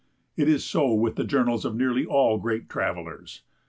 It is so with the journals of nearly all great travellers.